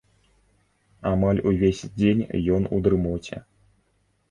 Амаль увесь дзень ён у дрымоце.